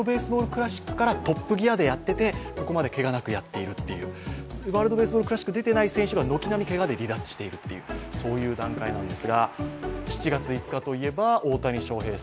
クラシックやってトップギアでやっててここまでけがなくやっているという、ワールドベースボールクラシックに出ていない選手が軒並みけがで離脱しているという段階です。